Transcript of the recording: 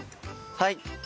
はい。